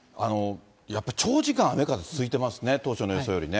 やっぱり長時間、雨風続いてますね、当初の予想よりね。